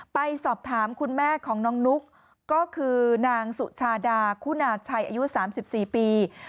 ไปสอบถามคุณแม่ของน้องนุ๊กก็คือนางสุชาดาคุณาชัยอายุ๓๔ปี